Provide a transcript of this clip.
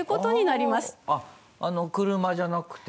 あっあの車じゃなくて。